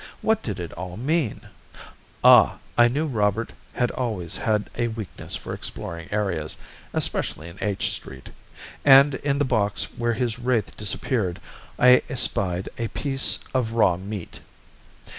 What did it all mean? Ah! I knew Robert had always had a weakness for exploring areas, especially in H Street, and in the box where his wraith disappeared I espied a piece of raw meat!